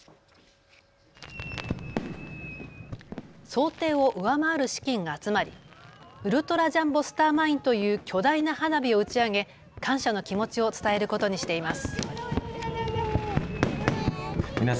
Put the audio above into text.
想定を上回る資金が集まり、ウルトラジャンボスターマインという巨大な花火を打ち上げ感謝の気持ちを伝えることにしています。